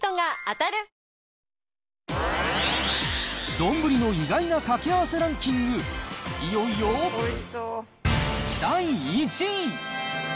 丼の意外な掛け合わせランキング、いよいよ第１位。